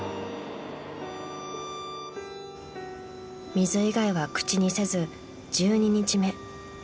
［水以外は口にせず１２日目］